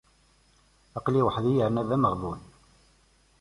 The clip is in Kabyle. Aql-i weḥd-i yerna d ameɣbun.